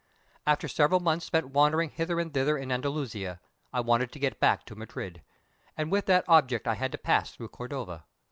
After several months spent wandering hither and thither in Andalusia, I wanted to get back to Madrid, and with that object I had to pass through Cordova.